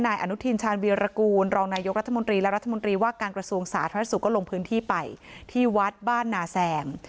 อนุทินชาญวีรกูลรองนายกรัฐมนตรีและรัฐมนตรีว่าการกระทรวงสาธารณสุขก็ลงพื้นที่ไปที่วัดบ้านนาแซม